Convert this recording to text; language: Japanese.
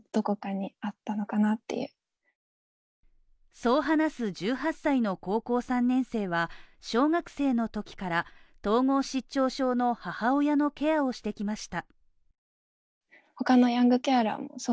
そう話す１８歳の高校３年生は小学生のときから統合失調症の母親のケアをしてきました。